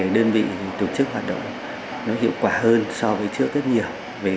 đơn vị tổ chức hoạt động hiệu quả hơn so với trước rất nhiều